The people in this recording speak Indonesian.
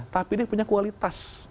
tapi dia punya kualitas